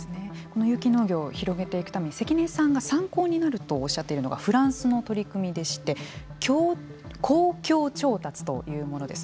有機農業広げていくために関根さんが参考になるとおっしゃっているのがフランスの取り組みでして公共調達というものです。